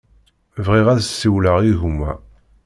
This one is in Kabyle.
Bɣiɣ ad siwleɣ i gma.